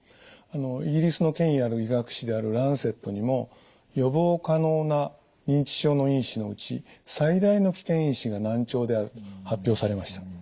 イギリスの権威ある医学誌である「ランセット」にも「予防可能な認知症の因子のうち最大の危険因子が難聴である」と発表されました。